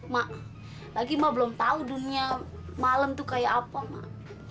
mak lagi mak belum tahu dunia malam tuh kayak apa mak